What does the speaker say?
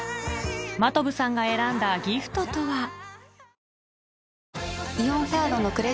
真飛さんが選んだギフトとは？